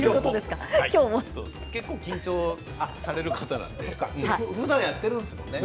結構緊張される方なんで。ふだんやってるんですよね。